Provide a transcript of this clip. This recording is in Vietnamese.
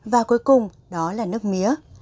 và cuối cùng đó là nước mía